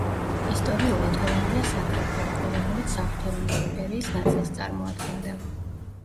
ისტორიულად ჰოლანდია საგრაფო იყო, რომელიც საღვთო რომის იმპერიის ნაწილს წარმოადგენდა.